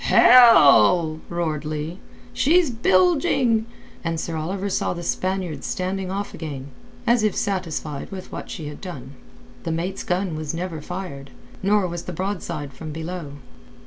"Hell!" roared Leigh. "She's bilging!" and Sir Oliver saw the Spaniard standing off again, as if satisfied with what she had done. The mate's gun was never fired, nor was the broadside from below.